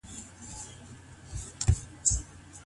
ولي کوښښ کوونکی د وړ کس په پرتله ښه ځلېږي؟